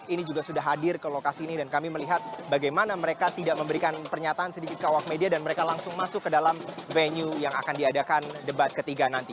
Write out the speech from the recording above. ini juga sudah hadir ke lokasi ini dan kami melihat bagaimana mereka tidak memberikan pernyataan sedikit ke awak media dan mereka langsung masuk ke dalam venue yang akan diadakan debat ketiga nanti